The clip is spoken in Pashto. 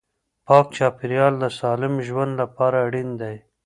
پاک چاپیریال د سالم ژوند لپاره اړین دی.